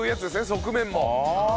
側面も。